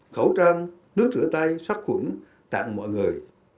khẩu trang nước rửa tay sát khuẩn tặng mọi người